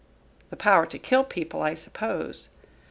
"The power to kill people, I suppose."